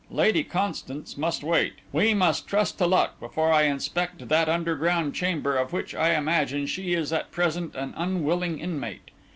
Lady Constance must wait; we must trust to luck before I inspect that underground chamber of which I imagine she is at present an unwilling inmate.